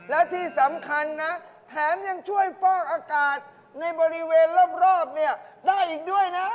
และที่สำคัญนะแถมยังช่วยฟอกอากาศในบริเวณรอบเนี่ยได้อีกด้วยนะ